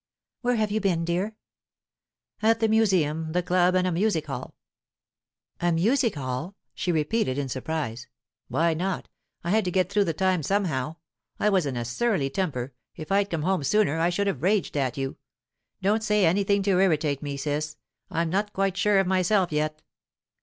"Where have you been, dear?" "At the Museum, the club, and a music hall." "A music hall?" she repeated, in surprise. "Why not? I had to get through the time somehow. I was in a surly temper; if I'd come home sooner, I should have raged at you. Don't say anything to irritate me, Ciss; I'm not quite sure of myself yet."